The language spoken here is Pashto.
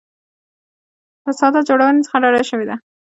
له ساده جوړونې څخه ډډه شوې ده.